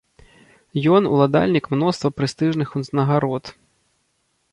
Ён ўладальнік мноства прэстыжных узнагарод.